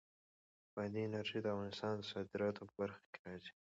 بادي انرژي د افغانستان د صادراتو په برخه کې راځي.